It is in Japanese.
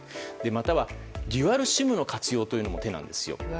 または、デュアルＳＩＭの活用というのも手なんですよ。